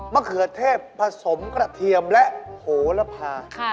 มะเขือเทพผสมกระเทียมและหูรภา